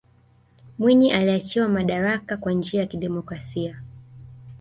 mwinyi aliachiwa madaraka kwa njia ya kidemokrasia